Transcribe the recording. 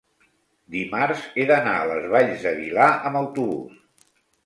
dimarts he d'anar a les Valls d'Aguilar amb autobús.